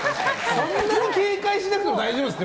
そんなに警戒しなくても大丈夫ですよ。